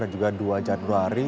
dan juga dua januari